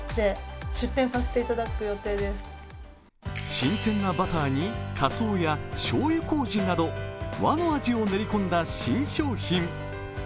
新鮮なバターに、かつおやしょうゆこうじなど、和の味を練り込んだ新商品。